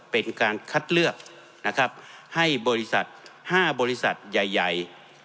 เป็นการคัดเลือกนะครับให้บริษัท๕บริษัทใหญ่